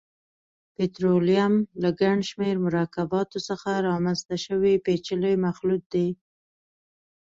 پټرولیم له ګڼشمېر مرکباتو څخه رامنځته شوی پېچلی مخلوط دی.